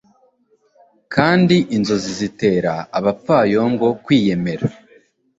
kandi inzozi zitera abapfayongo kwiyemera